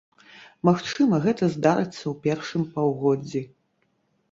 Магчыма, гэта здарыцца ў першым паўгоддзі.